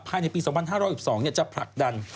ภายในปี๒๕๖๒เนี่ยจะผลักดัน